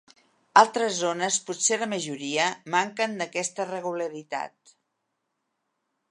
Altres zones, potser la majoria, manquen d'aquesta regularitat.